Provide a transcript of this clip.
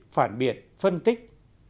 phản biệt phân tích